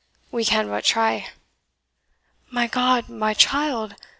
We can but try." "My God, my child!"